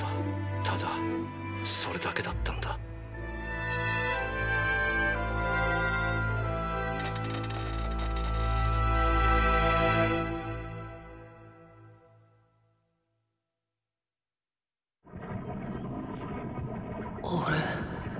ただそれだけだったんだあれ？